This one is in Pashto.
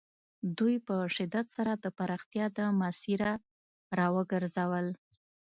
دوی په شدت سره د پراختیا له مسیره را وګرځول.